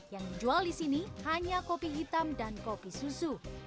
yang dijual di sini hanya kopi hitam dan kopi susu